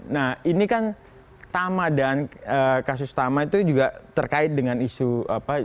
nah ini kan tama dan kasus tama itu juga terkait dengan isu apa